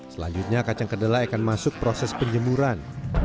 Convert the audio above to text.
selanjutnya kacang kedelai akan masuk proses penjemuran